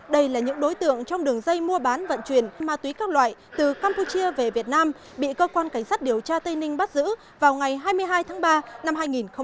đây là những đối tượng trong đường dây mua bán vận chuyển ma túy các loại từ campuchia về việt nam bị cơ quan cảnh sát điều tra tây ninh bắt giữ vào ngày hai mươi hai tháng ba năm hai nghìn một mươi tám